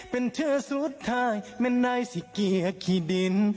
เป็นเธอสุดท้ายไม่ได้สิเกียร์ขี้ดิน